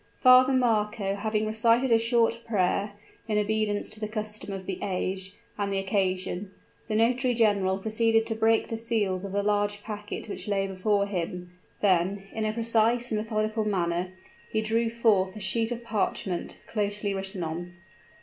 Father Marco having recited a short prayer, in obedience to the custom of the age, and the occasion, the notary general proceeded to break the seals of the large packet which lay before him: then, in a precise and methodical manner, he drew forth a sheet of parchment, closely written on.